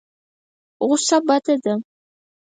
غوسه بده ده.